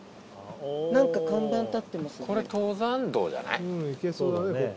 なんか看板立ってますね。